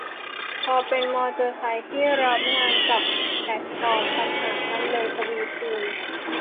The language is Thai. พอเป็นมอเตอร์ไซค์ที่รับงานกับแพลตฟอร์ม ปัญหามันเลยทวีคูณ